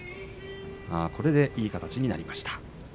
これでいい形になりました。